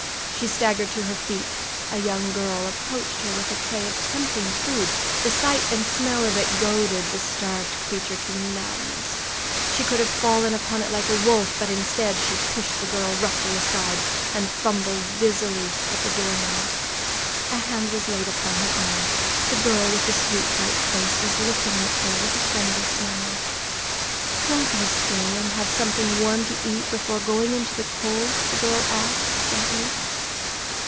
She staggered to her feet. A young girl approached her with a tray of tempting food. The sight and smell of it goaded the starved creature to madness. She could have fallen upon it like a wolf, but instead she pushed the girl roughly aside and fumbled dizzily at the door knob. A hand was laid upon her arm. The girl with the sweet, white face was looking at her with a friendly smile. "Won't you stay and have something warm to eat before going into the cold?" the girl asked gently.